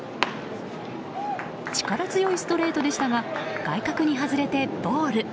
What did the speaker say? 力強いストレートでしたが外角に外れてボール。